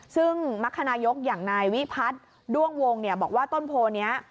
ซึ่งมรรคนายกอย่างนายวิพัฒน์ด้วงวงบอกว่าต้นโพนี้